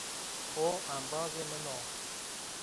O embazê min o